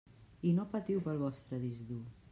I no patiu pel vostre disc dur.